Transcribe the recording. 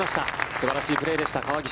素晴らしいプレーでした、川岸。